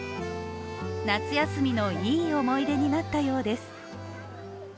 夏休みのいい思い出になったようです。